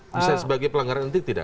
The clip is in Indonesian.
misalnya sebagai pelanggaran nanti tidak